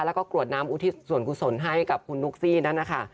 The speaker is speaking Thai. แล้วก็กรวดน้ำอุทิศส่วนกุศลให้กับคุณนุ๊กซี่นั่นนะคะ